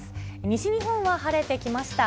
西日本は晴れてきました。